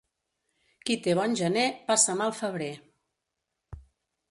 Qui té bon gener, passa mal febrer.